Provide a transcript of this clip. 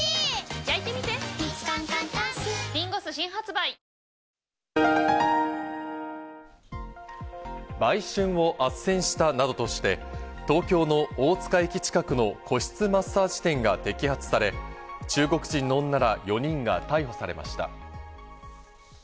売春をあっせんしたなどとして、東京の大塚駅近くの個室マッサージ店が摘発され、中国人の女ら４人が逮捕されました。